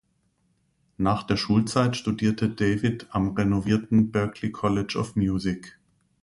Nach der Schulzeit studierte David am renommierten Berklee College of Music.